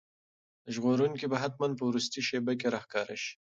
ژغورونکی به حتماً په وروستۍ شېبه کې راښکاره شي.